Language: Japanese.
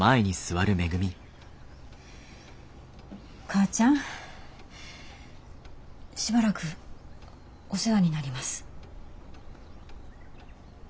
母ちゃんしばらくお世話になります。